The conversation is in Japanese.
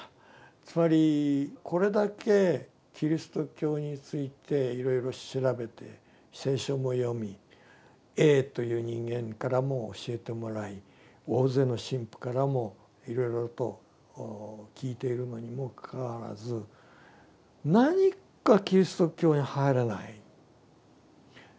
つまりこれだけキリスト教についていろいろ調べて聖書も読みＡという人間からも教えてもらい大勢の神父からもいろいろと聞いているのにもかかわらず何かキリスト教に入れない。